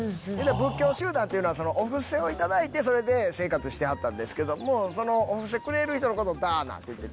仏教集団っていうのはお布施を頂いてそれで生活してはったんですけどもそのお布施くれる人のことダーナっていってて。